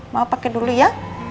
mama pakai dulu ya